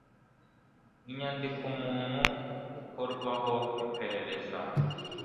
inyandiko umuntu ukorwaho iperereza